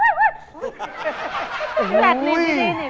แลดมินดีพอดี